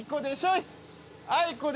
い